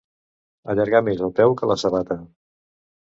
Allargar més el peu que la sabata.